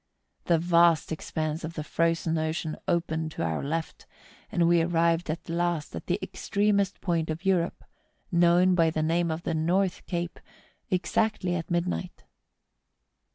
The vast expanse of the Frozen Ocean opened to our left, and we arrived at last at the extremest point of Europe, known by the name of the North Cape, exactly at midnight.